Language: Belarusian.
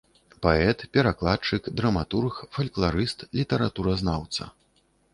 Паэт, перакладчык, драматург, фалькларыст, літаратуразнаўца.